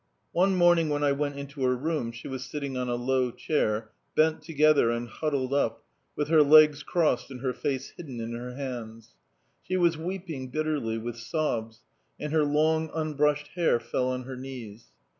One morning when I went into her room she was sitting on a low chair, bent together and huddled up, with her legs crossed and her face hidden in her hands. She was weeping bitterly, with sobs, and her long, unbrushed hair fell on her knees.